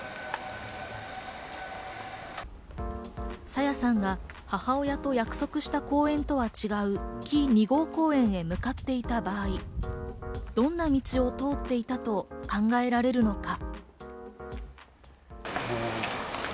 朝芽さんが母親と約束した公園とは違う木２号公園へ向かっていった場合、どんな道を通っていったと考えられるのか？